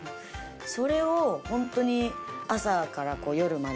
それをホントに朝から夜まで。